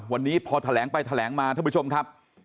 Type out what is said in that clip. วันนี้พอแถลงไปแถลงมาท่านผู้ชมครับ